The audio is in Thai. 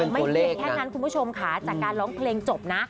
ไม่เพียงแค่นั้นคุณผู้ชมค่ะจากการร้องเพลงจบนะ